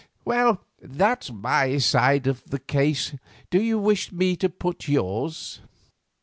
Well, that's my side of the case. Do you wish me to put yours?"